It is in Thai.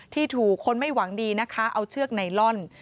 ที่ถูกคนไม่หวังดีนะคะเอาเชือกไนลอน